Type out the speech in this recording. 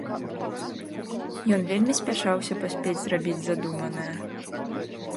Ён вельмі спяшаўся паспець зрабіць задуманае.